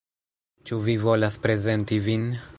Ĉu vi volas prezenti vin?